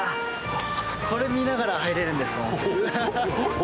これ見ながら入れるんですか？